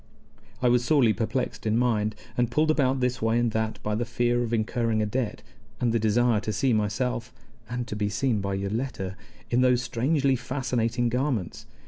I was sorely perplexed in mind, and pulled about this way and that by the fear of incurring a debt, and the desire to see myself (and to be seen by Yoletta) in those strangely fascinating garments.